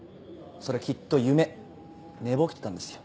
それきっと夢寝ぼけてたんですよ。